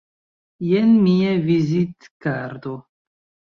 Jen mia vizitkarto.